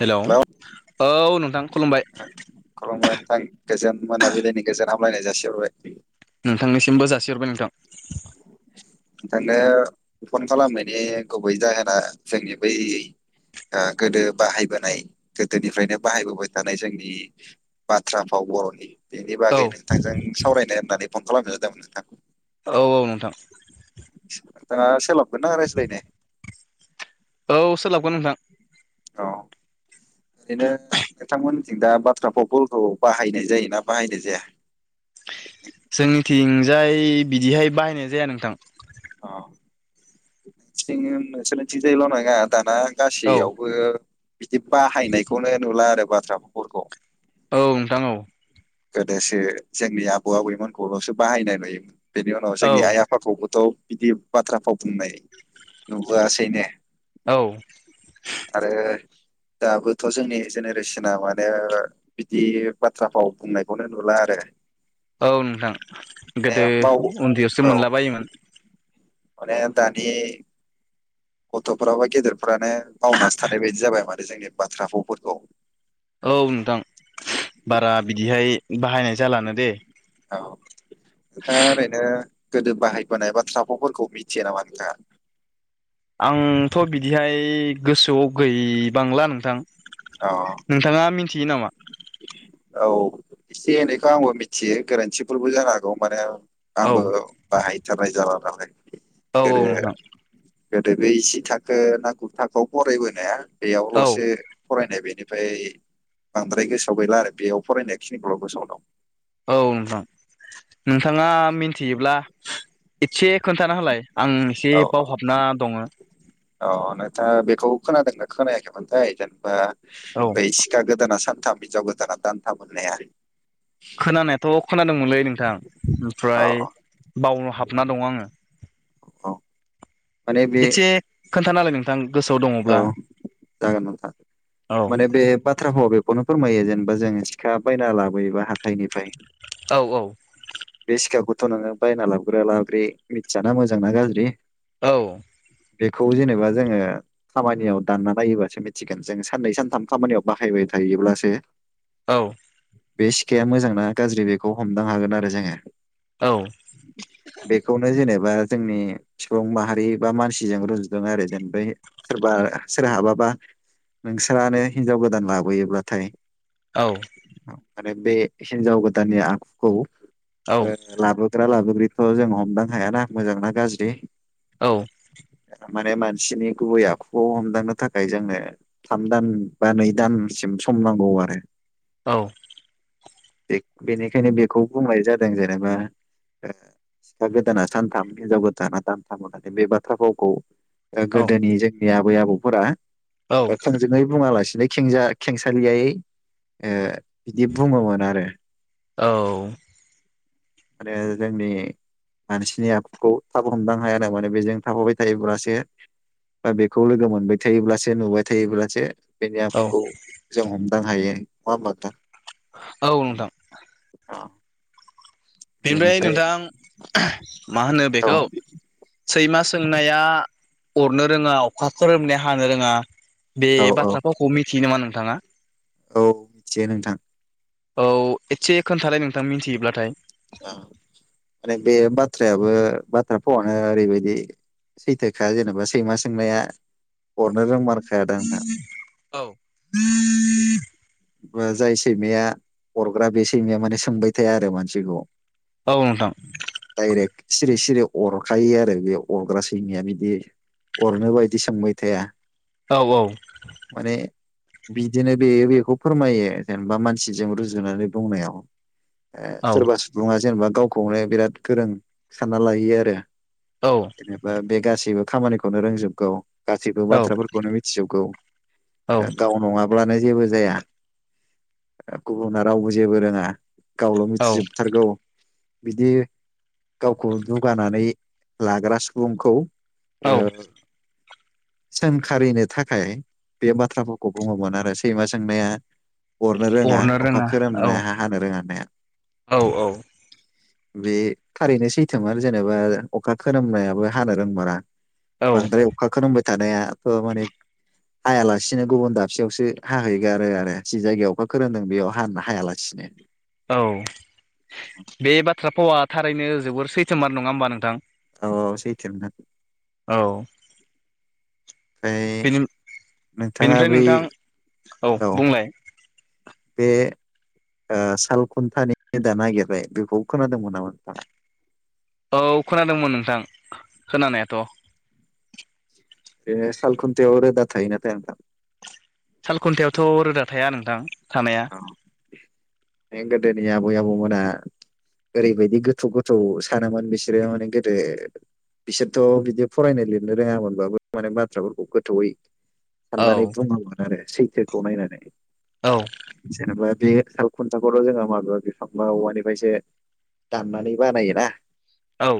हेल' औ। हेलौ नोंथां खुलुमबाय खुलुमबाय नोंथां गोजोन मोनाबिलिनि गोजोन हामलायनाय जासिहरबाय। नोंथांनिसिमबो जासिहरबाय नोंथां। नोंथांनो फन खालामनायनि गुबै जाहोना जोंनि बै गोदो बाहायबोनाय गोदोनिफ्रायनो बाहायबोबाय थानाय जोंनि बाथ्रा फाव बर'नि बेनि औ बागै नोंथांजों सावरायनो होननानै फन खालामनो होदोंमोन नोंथां। औ औ नोंथां। जोंहा सोलाबगोनना रायज्लायनो? औ सोलाबगोन नोंथां। औ ओरैनो नोंथांमोननिथिं दा बाथ्रा भावफोरखौ बाहायनाय जायोना बाहायनाय जाया? जोंनिथिंजाय बिदिहाय बाहायनाय जाया नोंथां। अ नोंसोरनिथिंजायल' नङा दाना औ गासैयावबो बिदि बाहायनायखौनो नुला आरो बाथ्राभावफोरखौ। औ नोंथां औ। गोदोसो जोंनि आबौ आबैमोनखौल'सो बाहायनाय नुयोमोन बेनि उनाव औ जोंनि आइ आफाखौबो। थ' बिदि बाथ्रा फाव बुंनाय नुबोआसैनो। औ। आरो दाबोथ' जोंनि जेनेरेसना माने बिदि बाथ्रा फाव बुंनायखौनो नुला आरो। औ नोंथां माने गोदो बाव उन्दैयावसो औ मोनलाबायोमोन। माने दानि गथ'फोराबो गेदेरफ्रानो बावनासो थानाय बायदि जाबाय माने जोंनि बाथ्रा फावफोरखौ। औ नोंथां बारा बिदिहाय बाहायनाय जालानो दे। औ नोंथाङा ओरैनो गोदो बाहायबोनाय बाथ्राफाव'फोरखौ मिथियो नामा नोंथाङा? आंथ' बिदिहाय गोसोआव गैबांला नोंथां। अ नोंथाङा मिथियो नामा? औ एसे एनैखौ आंबो मिथियो गोरोन्थिफोरबो जानो हागौ माने औ आंबो बाहायथारनाय जाला नालाय। औ औ गोदो नोंथां। गोदो बे जि थाखो ना गुर थाखोआव फरायबोनाया औ बेयावल'सो फरायनाय बेनो। ओमफ्राय बांद्राय गोसोआव गैला आरो बेयाव फरायनाय खिनिखौल' गोसोआव दं। औ नोंथां नोंथाङा मिन्थियोब्ला एसे खोन्थाना हालाय आं एसे बावहाबना दङो। अ नोंथा बेखौ खोनादोंनो खोनायाखैमोनथाय जेनेबा औ बै सिखा गोदाना सान थाम हिनजाव गोदाना दानथाम होननाया। खोनानायाथ' खोनादोंमोनलै नोंथां औ ओमफ्राय बाव हाबना दङ आङो। अ माने बे खोनथानालाय नोंथां। गोसोआव औ दङब्ला जागोन नोथां औ माने बे बाथ्राफाव आव बेखौनो फोरमायो जेन बा जोंङो सिखा बायना लाबोयोबा हाथायनिफ्राय औ औ। बे सिखाखौथ' नोङो बायना लाबोग्रा लाबोग्रि मिथियाना मोजां ना गाज्रि। औ [inaudible] बेखौ जेनेबा जोंङो खामानियाव दानना नायोबासो मिथिगोन जोङो साननै सानथाम खामानियाव बाहायबाय थायोब्लासो। औ बे सिखाया मोजां ना गाज्रि बेखौ हमदां हागोन आरो जोंङो औ बेखौनो जेनेबा बा जोंनि सुबुं माहारि बा मानसिजों रुजुजानाय आरो जेन बै सोरबा सोर हाबा बा नोंस्रानो हिनजाव गोदान लाबोयोब्लाथाय औ माने बे हिनजाव गोदान नि आखुखौ औ ओन लाबोग्रा लाबोग्रिथ जों हमदां हायाना मोजां ना गाज्रि औ माने मानसिनि गुबै आखुखौ हमदांनो थाखाय जोंनो थाम दान बा नै दानसि सिम सम नांगौ आरो औ बे बेनिखायनो बेखौ बुंनाय जादों जेनेबा ओ सिखा गोदाना सानथाम हिनजाव गोदाना दानथाम होननानै बे बाथ्रा फावखौ ओ गोदोनि जोंनि आबै आबौफोरा औ ओ थोंजोङै बुङालासिनो बैखिंजा खेंसालियायै ओ बिदि बुङोमोन आरो। औ आरो जोंनि मानसिनि आखुखौ थाब हमदांहायानो माने बेजों थाफाबाय थायोब्लासो बा बेखौ‌ लोगो मोनबाय थायोब्लासो नुबाय थायोब्लासो बेनि औ आखुखौ जों हमदां हायो नंङा होमबा नोंथां औ नोंथां [inaudible] बेनिफ्राय नोंथां मा होनो औ बेखौ सैमा सोंनाया अरनो रोंङा अखा खोरोमनाया हानो रोंङा बे औ औ बाथ्राफावखौ मिथियो नामा नोंथाङा? औ यिथियो नोंथां औ एथसे खोनथालाय नोंथां मिथियोब्लाथाय ओ माने बे बाथ्रायाबो बाथ्राफावानो ओरैबादि सैथोखा जेन'बा सैमा सोंनाया अरनो रोंमारखायादां ना? औ जाय सैमाया अरग्रा बे सैमाया माने सोंबाय थाया आरो मानसिखौ औ नोंथां दाइरेक्ट सिरि-सिरि अरखायो आरो बे अरग्रा सैमाया बिदि अरनो बायदि सोंबाय थाया। औ औ माने बिदिनो बेयो बेखौ फोरमायो जेनेबा मानसिजों रुजुनानै बुंनायाव। ओ औ सोरबा सुबुङा जेनेबा गावखौनो बिराद गोरों सानना लायो आरो औ जेनेबा बे गासैबो खामानिखौनो रोंजोबगौ। गासैबो बाथ्राफोरखौनो मिथिजोबगौ औ गाव नङाब्लानो जेबो जाया गुबुना रावबो जेबो रोङा गावल' औ मिथिजोबथारगौ बिदि गावखौ दुगानानै लाग्रा सुबुंखौ औ ओ सोंखारिनो थाखाय बे बाथ्राफोरखौ बुङोमोन आरो सैमा सोंनाया अरनो रोङा, अखा खोरोमनाया हानो रोङा होननाया औ बे थारैनो सैथो मार जेनेबा अखा खोरोमनायाबो हानो रोंमारा औ बांद्राय अखा खोरोमबाय थानायाथ' माने हायालासिनो गुबुन दाबसेयावसो हाहैगारो आरो जि जायगायाव अखा खोरोमदों बेयाव हा-हायालासिनो औ बे बाथ्रा फावा थारैनो जोबोर सैथोमार, नङा होमबा नोंथां? औ औ सैथो नोथां। औ ओमफाय बेनि नोंथाङा बेनिफ्राय बै नोंथां औ बेे ओ साल खुन्थानि रोदा नागिरबाय बेखौबो खोनादोंमोन नामा नोंथाङा? औ खोनादोंमोन नोंथां खोनानायाथ'। ए साल खुन्थायाव रोदा थायोना, थाया नोंथां? साल खुन्थायावथ' रोदा थाया नोंथां, थानाया। माने गोदोनि आबै-आबौमोना ओरैबायदि गोथौ -गोथौ सानोमोन बिसोरो माने गोेदो बिसोरथ' बिदि फरायनाय लिरनो रोङामोनबाबो माने बाथ्राफोरखौ गोथौवै औ साननानै बुङोमोन आरो सैथोखौ नायनानै। औ। जेनेबा बे साल खुन्थाखौथ' जोंहा माबेबा बिफां बा औवानिफायसो दाननानै बानायोना? औ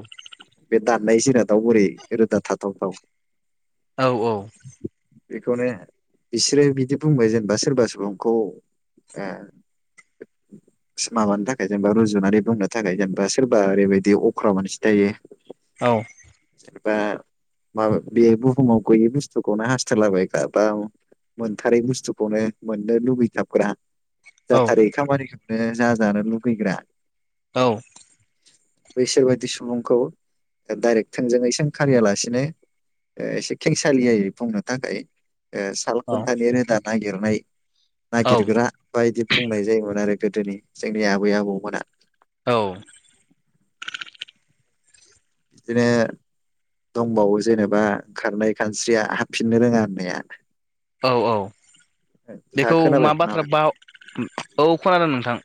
बे दाननाय जिरादाव बोरै रोदा थाथाव- थाव? औ औ। बेखौनो बिसोरो बिदि बुंबाय जेनेबा सोरबा सुबुंखौ ओ [unintelligible] माबानि थाखाय जेनेबा रुजुनानै बुंनो थाखाय जेनेबा सोरबा ओरैबायदि अख्रा मानसि थायो। औ। बा माबा बे बुहुमाव गैयै बुस्थुखौनो हास्थायला बनायग्रा बा मोनथारै बुस्थुखौनो मोननो लुुबैथाब [unintelligible] औ जाथारै खामानिखौनो जाजानो लुुगैग्रा। औ। बैसोरबायदि सुबुंखौ डाइरेक्ट थोंजोङै सोंखारियालासिनो ओ एसे खेंसालियै बुंनो थाखाय ओ साल औ खुन्थानि रोदा नागिरनाय नागिरग्रा बायदि बुंनाय जायोमोन आरो गोदोनि जोंनि आबै आबौमोना। औ। बिदिनो दंबावो जेनेबा ओंखारनाय खानस्रिया हाबफिननो रोङा होननाया। औ औ। नोंथाङा बेखौ मा खोनाबाय मोना बाथ्रा बाव औ खोनादों नोंथां।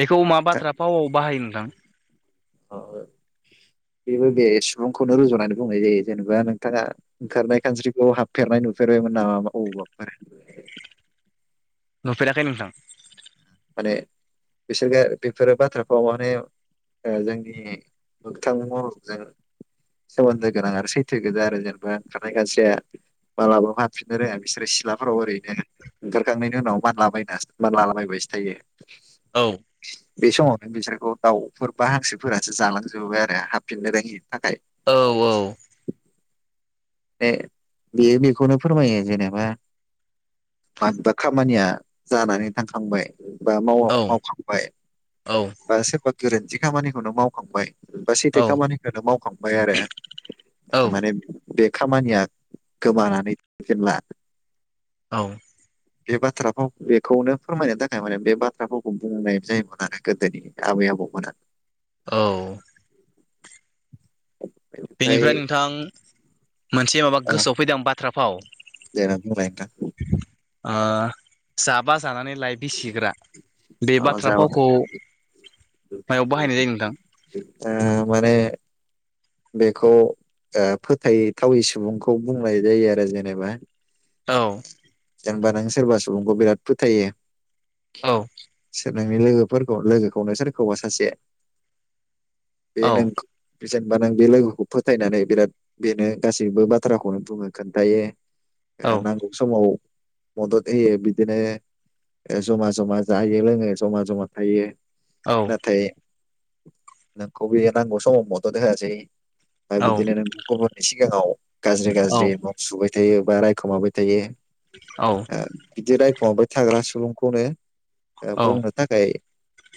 बेखौ मा बाथ्रा पावआव बाहायो नोंथां? अ ओ बेबो बे सुबुंखौनो रुजुनानै बुंनाय जायो जेनेबा नोंथाङा ओंखारनाय खानस्रिखौ हाबफेरनाय नुफेरबायमोन नामा औबाफोर नुफेराखै नोंथां? माने बिसोरखो बेफोरो बाथ्राफावा माने ओ जोंनि मोगथां महरजो सोमोन्दो गोनां आरो सैथो गोजा आरो जेनेबा ओंखारनाय खानस्रिया माब्लाबाबो हाबफिननो रोङा बिसोर सिलाफोराव ओरैनो ओंखारखांनायनि उनाव मानलाबायना- मानला -मानलालाबायसो औ। बे समावनो बिसोरखौ दाउफोर बा हांसोफोरासो जालांजोबोबाय आरो हाबफिननो रोङि थाखाय औ ए बेयो बेखौनो फोरमायो जेनेबा माबेबा खामानिया जानानै थांखांबाय बा माव औ मावखांबाय बा सोरबा गोरोन्थि खामानिखौनो मावखांबाय बा सैथो औ खामानिखौनो मावखांबाय आरो माने औ बे खामानिया गोमानानै फेनला औ। बे बाथ्राफाव बेखौनो फोरमायनो थाखाय माने बे बाथ्रा फावखौ बुंनाय जायोमोन आरो गोदोनि आबै आबौ मोना औ। बेनिफ्राय नोंथां मोनसे माबा गोसोआव फैदों बाथ्रा फाव। जे नों बुंलाय नोंथां आं जाबा जानानै लइ बिसिग्रा बे नोंथां जा बाथ्रा फावखौ मायाव बाहायनाय जायो नोंथां ओ माने बेखौ ओ फोथायथावै सुबुंखौ बुंनाय जायो आरो जेनेबा औ जेनेबा नों सोरबा सुबुंखौ बिराद फोथायो औ सोर नोंनि लोगोफोरखौ लोगोखौ नों सोरखौबा सासे बे औ नोंखौ बा नों बे लोगोखौ फोथायनानै बिराद बेनो गासैबो बाथ्राखौनो बुङो खोनन्थायो औ ओ नांगौ समाव मदद होयो बिदिनो ओ ज'मा जमा जायो लोङो ज'मा जमा थायो औ नाथाय नोंखौ बे नांगौ समाव मदद होआसै बा बिदिनो औ नों गुबुननि सिगाङाव गाज्रि गाज्रि मुं सुबाय थायो बा रायखोमाबाय थायो औ ओ बिदि रायखुमाबाय थाग्रा सुबुंखौनो ओ औ औ बुंनो थाखाय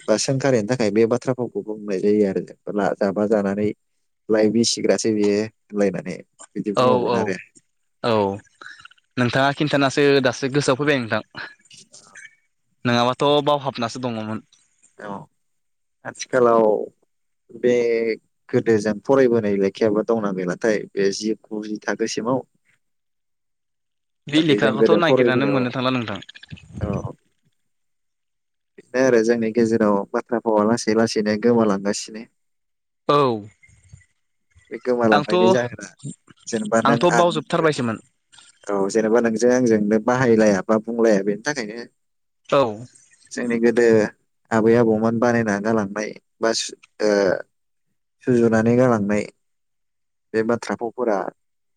बा सोंखारिनि थाखाय बे बाथ्राफावखौ बुंनाय जायो आरो जेनेबा जाबा जानानै लाय बिसिग्रासो बियो होनलायनानै बिदि औ औ बुङोमोन आरो औ नोंथाङा खिन्थानासो दासो गोसोआव फैबाय नोंथां [unintelligible] नङाबाथ' बावहाबनासो दङमोन औ आथिखालाव बे गोदो जों फरायबोनाय लेखायाबा दंना गैलाथाय बे जि गुजि थाखोसिम औ बे लेखाखौथ' नागिरनानै मोननो थांला नोंथां बेनो आरो जोंनि गेजेराव बाथ्रा भावा लासै लासैनो गोमालांगासिनो औ बे आंथ' गोमालांबायनाय जागोना जेनेबा नों आंथ' आं बावजोबथारबायसोमोन औ जेनेबा नोंजों आंजों बाहायलाया बा बुंलाया बेनि थाखायनो औ जोंनि गोदो आबै आबौमोन बानायना गालांनाय बाय सुजुनानै गालांनाय बे बाथ्रा भावफोरा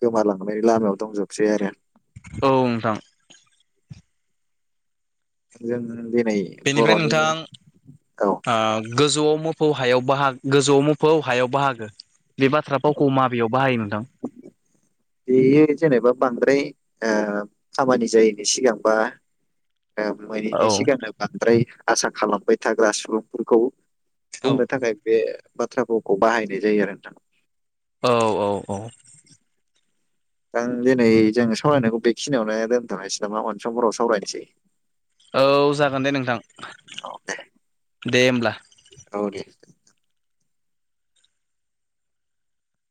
गोमालांनायनि लामायाव दंजोबसै आरो। औ नोंथां जों दिनै बेनिफ्राय बर'नि नोंथां औ। ओ गोजौआव मोफौ हायाव बाहागो गोजौआव मोफौ हायाव बाहागो। बे बाथ्रा फावखौ माबेयाव बाहायो नोंथां? बेयो जेनेबा बांद्राय खामानि जायनि सिगांबा। औ मोनैनि औ सिगांनो बांद्राय आसा खालामबाय थाग्रा सुबुंफोरखौ। बुंनो थाखाय बे बाथ्राफोरखौ बाहायनाय जायो आरो नोंथां। औ औ औ। आं दिनै जोङो सावरायनायखौ बेखिनियावनो दोनथ'नोसै नामा अन समफोराव सावरायनोसै। औ जागोन दे नोंथां औ दे। दे हब्ला। औ दे